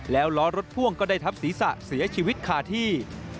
แล้วล้อรถพ่วงก็ได้ทับศีรษะเสียชีวิตคาที่